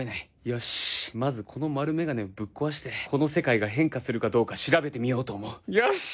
よしまずこの丸メガネをぶっ壊してこの世界が変化するかどうか調べてみようと思う。